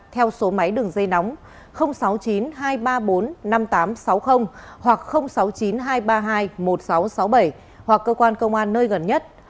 theo số máy đường dây nóng sáu mươi chín hai trăm ba mươi bốn năm nghìn tám trăm sáu mươi hoặc sáu mươi chín hai trăm ba mươi hai một nghìn sáu trăm sáu mươi bảy hoặc cơ quan công an nơi gần nhất